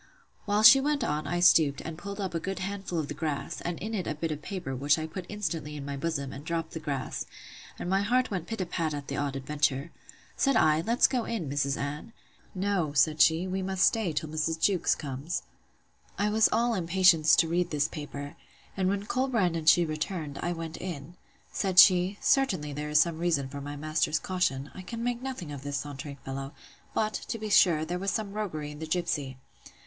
While she went on, I stooped, and pulled up a good handful of the grass, and in it a bit of paper, which I put instantly in my bosom, and dropt the grass: and my heart went pit a pat at the odd adventure. Said I, Let's go in, Mrs. Anne. No, said she, we must stay till Mrs. Jewkes comes. I was all impatience to read this paper: and when Colbrand and she returned, I went in. Said she, Certainly there is some reason for my master's caution: I can make nothing of this sauntering fellow; but, to be sure, there was some roguery in the gipsy.